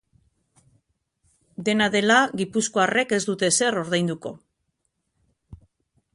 Dena dela, gipuzkoarrek ez dute ezer ordainduko.